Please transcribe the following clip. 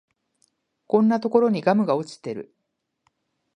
こんなところにガムが落ちてる